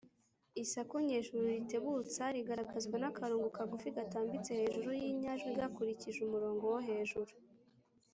Isaku nyejuru ritebutsa rigaragazwa n’akarongo kagufi gatambitse hejuru y’inyajwi gakurikije umurongo wo hejuru.